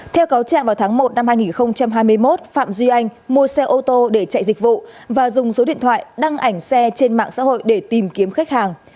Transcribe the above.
theo cáo trạng vào tháng một năm hai nghìn hai mươi một phạm duy anh mua xe ô tô để chạy dịch vụ và dùng số điện thoại đăng ảnh xe trên mạng xã hội để tìm kiếm khách hàng